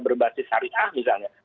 berbasis harian misalnya